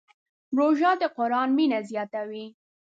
روژه د قرآن مینه زیاتوي.